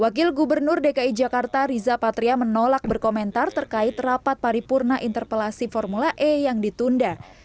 wakil gubernur dki jakarta riza patria menolak berkomentar terkait rapat paripurna interpelasi formula e yang ditunda